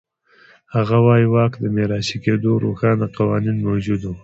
هغه وایي واک د میراثي کېدو روښانه قوانین موجود و.